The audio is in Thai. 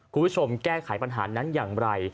คุณผู้ชมแก้ไขปัญหานั้นอย่างไร